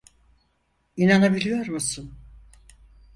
İnanabiliyor musun?